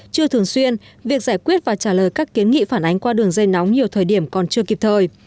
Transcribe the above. chưa thường xuyên việc giải quyết và trả lời các kiến nghị phản ánh qua đường dây nóng nhiều thời điểm còn chưa kịp thời